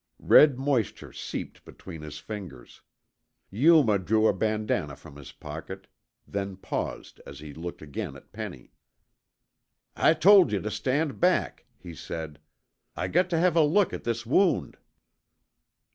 Red moisture seeped between his fingers. Yuma drew a bandanna from his pocket, then paused as he looked again at Penny. "I told yuh tuh stand back," he said. "I got tuh have a look at this wound."